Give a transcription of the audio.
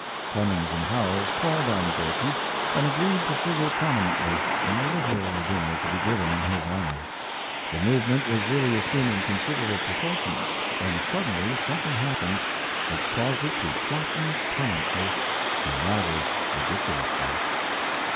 Clemens and Howells called on Gorky and agreed to figure prominently in a literary dinner to be given in his honor. The movement was really assuming considerable proportions, when suddenly something happened which caused it to flatten permanently, and rather ridiculously.